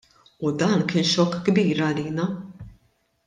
U dan kien xokk kbir għalina.